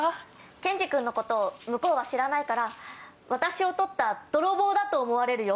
ケンジ君のこと向こうは知らないから私を取った泥棒だと思われるよ。